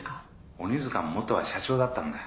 鬼塚も元は社長だったんだ。